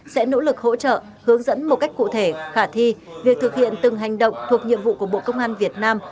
sẽ nỗ lực hỗ trợ hướng dẫn một cách cụ thể khả thi việc thực hiện từng hành động thuộc nhiệm vụ của bộ công an việt nam